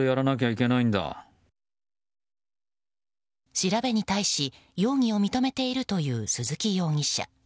調べに対し容疑を認めているという鈴木容疑者。